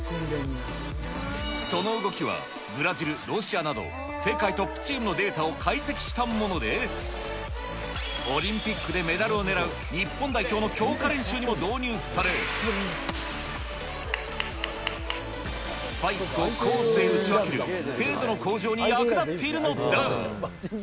その動きはブラジル、ロシアなど世界トップチームのデータを解析したもので、オリンピックでメダルを狙う日本代表の強化練習にも導入され、スパイクをコースへ打ち分ける、精度の向上に役立っているのだ。